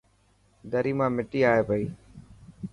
دري مان مٺي آئي پئي.